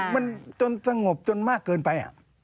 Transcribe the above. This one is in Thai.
มันจนสงบจนมากเกินไป